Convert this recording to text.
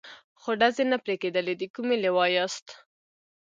خو ډزې نه پرې کېدلې، د کومې لوا یاست؟